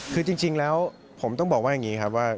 คือจริงแล้วผมต้องบอกว่าอย่างนี้ครับว่า